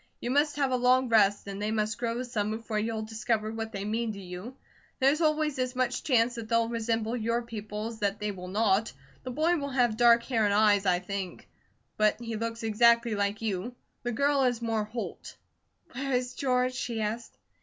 You must have a long rest, and they must grow some before you'll discover what they mean to you. There's always as much chance that they'll resemble your people as that they will not. The boy will have dark hair and eyes I think, but he looks exactly like you. The girl is more Holt." "Where is George?" she asked.